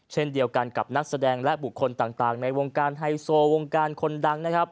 เช่นเดียวกันกับนักแสดงและบุคคลต่างในวงการไฮโซวงการคนดังนะครับ